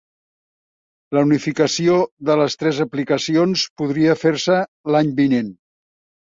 La unificació de les tres aplicacions podria fer-se l'any vinent